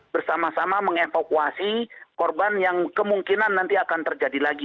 bersama sama mengevakuasi korban yang kemungkinan nanti akan terjadi lagi